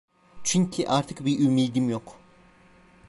Çünkü artık bir ümidim yok.